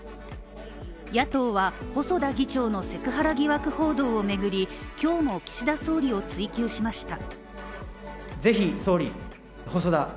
野党は、細田議長のセクハラ疑惑報道を巡り、今日も岸田総理を追及しました。